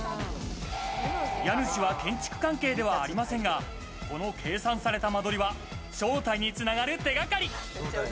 家主は建築関係ではありませんが、この計算された間取りは正体に繋がる手掛かり。